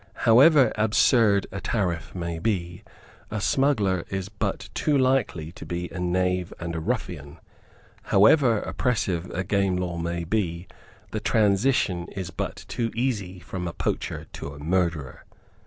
However absurd a tariff may be, a smuggler is but too likely to be a knave and a ruffian. How ever oppressive a game law may be, the transition is but too easy from a poacher to a murderer.